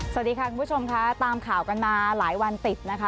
สวัสดีค่ะคุณผู้ชมค่ะตามข่าวกันมาหลายวันติดนะคะ